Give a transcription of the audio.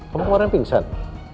kamu kemarin pingsan